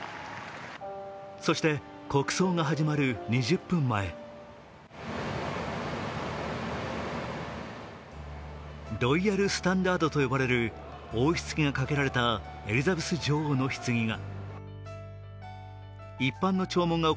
そして、国葬が始まる２０分前ロイヤルスタンダードと呼ばれる王室旗がかけられたエリザベス女王のひつぎが。